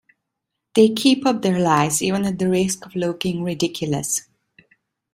They keep up their lies, even at the risk of looking ridiculous.